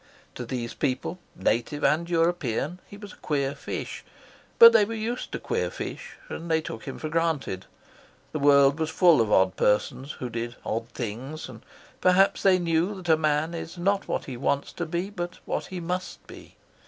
To these people, native and European, he was a queer fish, but they were used to queer fish, and they took him for granted; the world was full of odd persons, who did odd things; and perhaps they knew that a man is not what he wants to be, but what he must be.